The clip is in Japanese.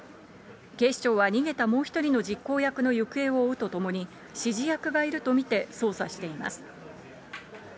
警視庁は逃げたもう１人の実行役の行方を追うとともに、指示役がいると見て捜査しています。